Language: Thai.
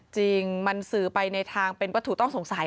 จริงมันสื่อไปในทางเป็นวัตถุต้องสงสัย